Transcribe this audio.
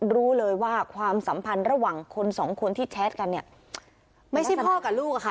รู้เลยว่าความสัมพันธ์ระหว่างคนสองคนที่แชทกันเนี่ยไม่ใช่พ่อกับลูกอะค่ะ